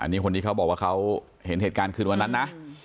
เพราะว่าพี่เขาเห็นแล้วใช่ไหมว่า